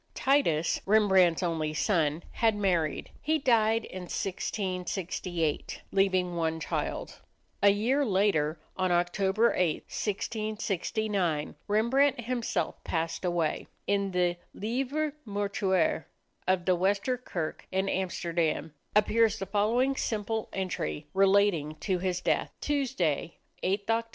Titus, Rembrandt's only son, had married. He died in 1668, leaving one child. A year later, on October 8, 1669, Rembrandt himself passed away. In the "Livre Mortuaire" of the Wester Kerk in Amsterdam appears the following simple entry, relating to his death: "Tuesday, 8th Oct.